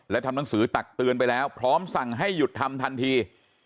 และทำหนังสือตักเตือนไปแล้วพร้อมสั่งให้หยุดทำทันที